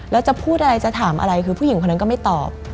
แล้วจะพูดอะไรจะถามอะไรคือผู้หญิงคนนั้นก็ไม่ตอบ